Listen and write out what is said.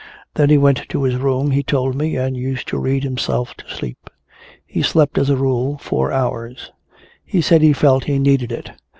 Then he went to his room, he told me, and used to read himself to sleep. He slept as a rule four hours. He said he felt he needed it.